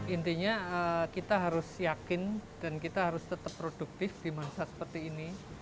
intinya kita harus yakin dan kita harus tetap produktif di masa seperti ini